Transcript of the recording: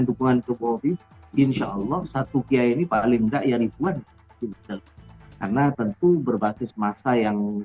dukungan kebohongi insyaallah satu kiai ini paling enggak yang dibuat karena tentu berbasis masa yang